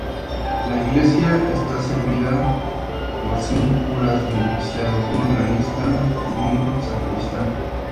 La Iglesia está servida por cinco curas beneficiados, un organista y un sacristán.